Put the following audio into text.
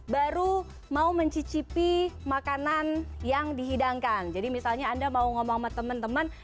baru mau mencicipi makanan yang dihidangkan jadi misalnya anda mau ngomong sama teman teman